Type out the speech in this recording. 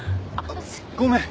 ごめん！